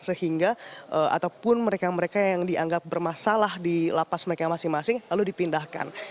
sehingga ataupun mereka mereka yang dianggap bermasalah di lapas mereka masing masing lalu dipindahkan